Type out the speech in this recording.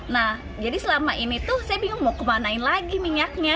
nah jadi selama ini tuh saya bingung mau kemanain lagi minyaknya